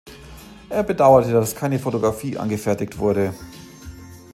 Er bedauerte, dass keine Photographie angefertigt wurde.